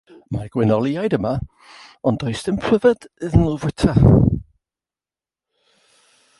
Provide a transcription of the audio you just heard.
Mae'r gwenoliaid yma, ond does dim pryfed iddyn nhw fwyta.